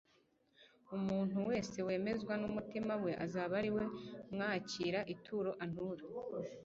umuntu wese wemezwa n'umutima we azaba ari we mwakira ituro antura